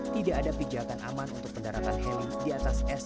tidak ada pijakan aman untuk pendaratan heli di atas es